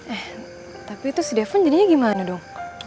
eh tapi itu si defen jadinya gimana dong